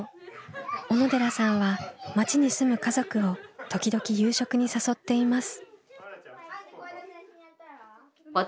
小野寺さんは町に住む家族を時々夕食に誘っています。